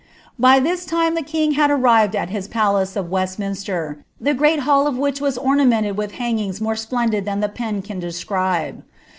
By this time the king had arrived at his palace of Westminster, the great hall of which was ornamented with hangings more splendid than the pen can describe.